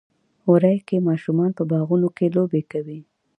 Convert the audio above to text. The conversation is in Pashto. وری کې ماشومان په باغونو کې لوبې کوي.